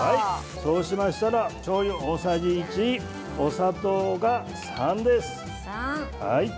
そうしましたら、しょうゆ大さじ１、お砂糖が３です。